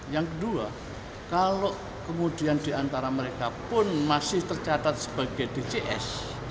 yang kedua kalau kemudian diantara mereka pun masih tercatat sebagai dcs